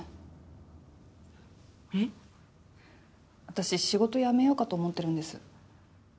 私仕事辞めようかと思ってるんです。